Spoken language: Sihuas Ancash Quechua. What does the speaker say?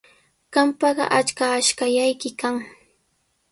Qampaqa achka ashkallayki kan.